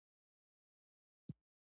په دې يونليک کې د ليکوال لخوا په خورا مهارت.